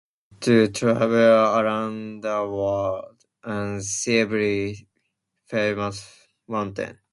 To travel around the world, and see every famous mountain.